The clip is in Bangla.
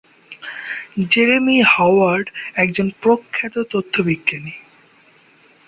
জেরেমি হাওয়ার্ড একজন প্রখ্যাত তথ্যবিজ্ঞানী।